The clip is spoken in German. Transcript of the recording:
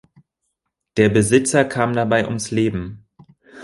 Der Besitzer kam dabei ums Leben.